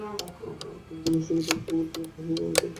কোন কোন উৎসবে তাকে গোবধ করতেই হত, গোমাংস ভক্ষণ করতেই হত।